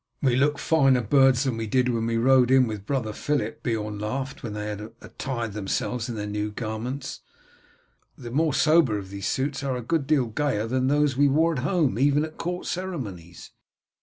"We look finer birds than we did when we rode in with brother Philip," Beorn laughed when they had attired themselves in their new garments. "The more sober of these suits are a good deal gayer than those we wore at home even at court ceremonies."